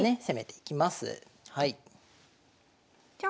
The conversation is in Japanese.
攻めていきます。